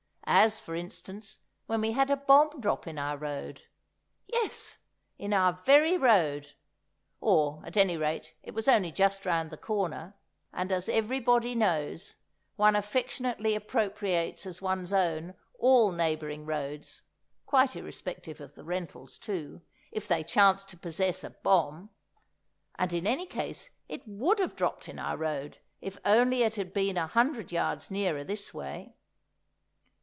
As, for instance, when we had a bomb drop in our road. Yes, in our very road!—or, at any rate, it was only just round the corner; and, as everybody knows, one affectionately appropriates as one's own all neighbouring roads (quite irrespective of the rentals, too) if they chance to possess a bomb. And, in any case, it would have dropped in our road if only it had been a hundred yards nearer this way.